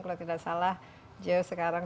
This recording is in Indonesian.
kalau tidak salah jauh sekarang